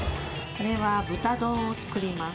これは、豚丼を作ります。